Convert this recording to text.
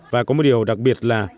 và có một điều đặc biệt là